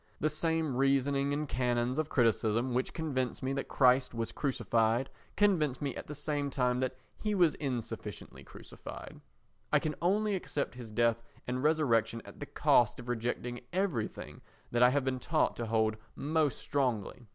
The same reasoning and canons of criticism which convince me that Christ was crucified convince me at the same time that he was insufficiently crucified. I can only accept his death and resurrection at the cost of rejecting everything that I have been taught to hold most strongly.